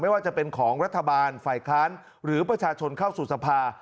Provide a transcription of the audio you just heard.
ว่าจะเป็นของรัฐบาลฝ่ายค้านหรือประชาชนเข้าสู่สภา